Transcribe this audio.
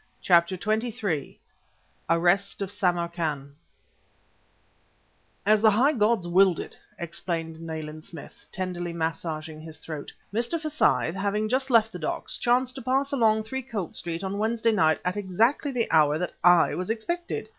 CHAPTER XXIII ARREST OF SAMARKAN "As the high gods willed it," explained Nayland Smith, tenderly massaging his throat, "Mr. Forsyth, having just left the docks, chanced to pass along Three Colt Street on Wednesday night at exactly the hour that I was expected!